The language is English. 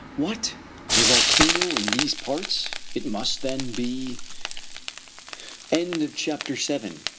What! A volcano in these parts? It must then be CHAPTER VIII.